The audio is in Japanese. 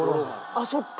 あっそっか。